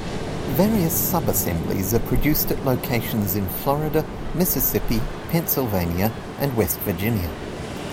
Various subassemblies are produced at locations in Florida, Mississippi, Pennsylvania, and West Virginia.